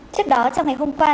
trước đó trong ngày hôm qua